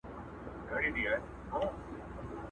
اکثر له دین او له وقاره سره لوبي کوي!!